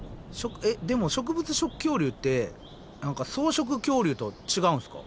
えっでも植物食恐竜って何か草食恐竜とは違うんすか？